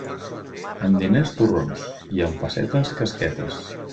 Amb diners, torrons, i amb pessetes, casquetes.